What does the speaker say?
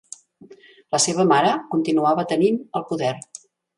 La seva mare continuava tenint el poder.